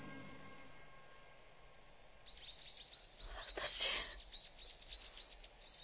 私。